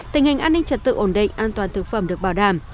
tình hình an ninh trật tự ổn định an toàn thực phẩm được bảo đảm